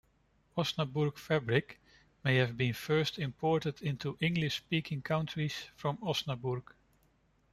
Osnaburg fabric may have been first imported into English-speaking countries from Osnaburg.